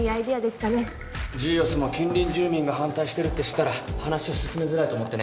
ジーオスも近隣住民が反対してるって知ったら話を進めづらいと思ってね。